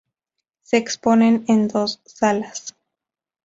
Se exponen en dos salas.